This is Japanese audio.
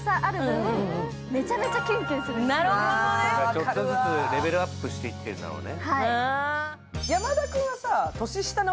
ちょっとずつレベルアップしていってるんだね。